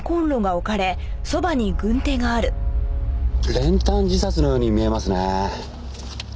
練炭自殺のように見えますね。